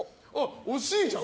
惜しいじゃん！